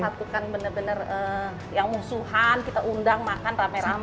lakukan benar benar yang musuhan kita undang makan rame rame